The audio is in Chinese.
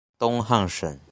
东汉省。